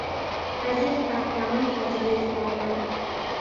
از یک قهرمان تجلیل کردن